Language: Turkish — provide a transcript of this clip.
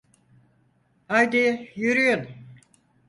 Haydi yürüyün.